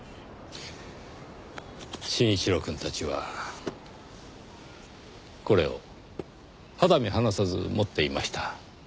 真一郎くんたちはこれを肌身離さず持っていました。